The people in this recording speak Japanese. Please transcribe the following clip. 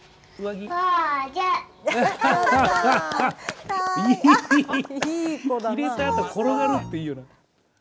着れたあと転がるっていいよな。